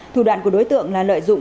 thủ đoạn của đối tượng là lợi dụng